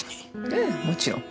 ええもちろん。